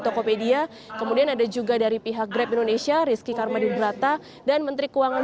tokopedia kemudian ada juga dari pihak grab indonesia rizky karmadibrata dan menteri keuangan